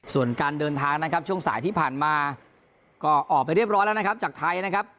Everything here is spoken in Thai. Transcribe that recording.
ส่วนการเดินทางนะครับช่วงสายที่ผ่านมาก็ออกไปเรียบร้อยแล้วนะครับจากไทยนะครับ